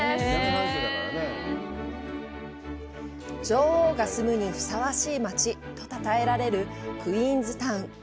「女王が住むにふさわしい街」とたたえられるクィーンズタウン。